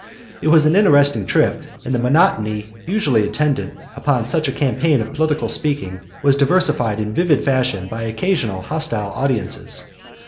It was an interesting trip, and the monotony usually attendant upon such a campaign of political speaking was diversified in vivid fashion by occasional hostile audiences.